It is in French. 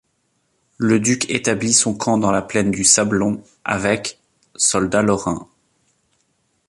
Le duc établit son camp dans la plaine du Sablon, avec soldats lorrains.